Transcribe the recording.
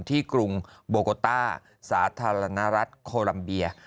กรุงโบโกต้าสาธารณรัฐโคลัมเบีย